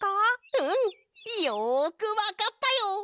うん！よくわかったよ！